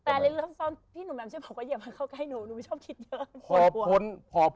แต่เริ่มทั้งสองพี่หนุ่มแดมช่วยบอกว่าเหยียบมาเข้าใกล้หนูหนูไม่ชอบคิดเยอะ